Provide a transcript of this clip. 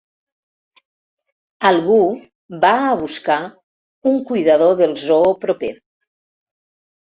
Algú va a buscar un cuidador del zoo proper.